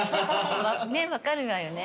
ねっ分かるわよね。